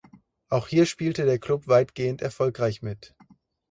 Auch hier spielte der Klub weitgehend erfolgreich mit.